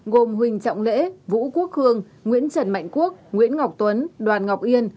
gồm huỳnh trọng lễ vũ quốc khương nguyễn trần mạnh quốc nguyễn ngọc tuấn đoàn ngọc yên